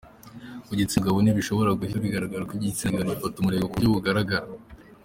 Ku gitsinagabo ho bishobora guhita bigaragara kuko igitsina gifata umurego ku buryo bugaragara.